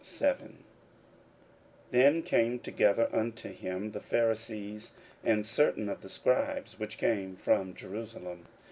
41:007:001 Then came together unto him the Pharisees, and certain of the scribes, which came from Jerusalem.